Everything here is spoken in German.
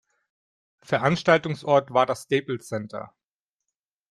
Veranstaltungsort war das Staples Center.